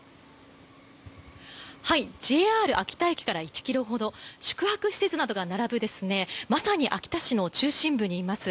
ＪＲ秋田駅から１ｋｍほど宿泊施設などが並ぶまさに秋田市の中心部にいます。